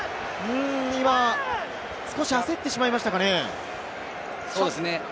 少し焦ってしまいましたかね？